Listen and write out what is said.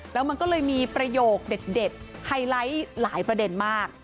แล้วมันก็เลยมีประโยคเด็ดไฮไลท์หลายประเด็นมาก